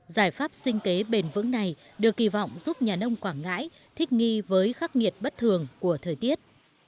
giải pháp sinh kế bền vững này được kỳ vọng giúp nhà nông quảng ngãi thích nghi với khắc nghiệt bất thường của thời tiết